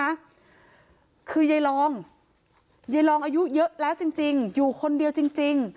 คือยายรองยายรองอายุเยอะแล้วจริงจริงอยู่คนเดียวจริงจริง